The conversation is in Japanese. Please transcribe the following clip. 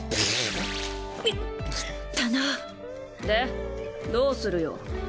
でどうするよ？